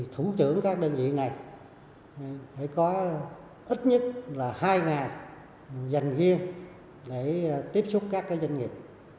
thủ trưởng các đơn vị này phải có ít nhất hai ngày dành riêng để tiếp xúc các doanh nghiệp